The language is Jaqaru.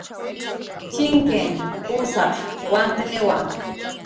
Chinkin pusaq watniwa